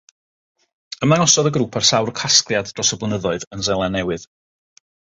Ymddangosodd y grŵp ar sawl casgliad dros y blynyddoedd yn Seland Newydd.